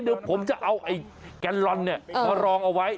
เดี๋ยวผมจะเอาไอ้แกนลอนมารองเอาไว้